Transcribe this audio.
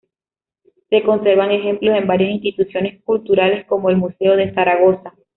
Se conservan ejemplos en varias instituciones culturales, como el Museo de Zaragoza.